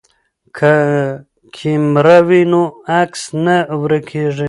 که کیمره وي نو عکس نه ورکیږي.